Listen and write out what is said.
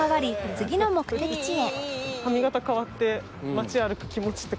次の目的地へ